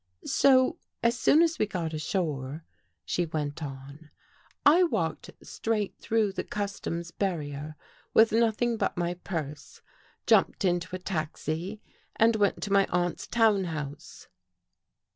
" So, as soon as we got ashore," she went on, " I 301 THE GHOST GIRL walked straight through the customs' barrier with nothing but my purse, jumped into a taxi and went to my aunt's town house."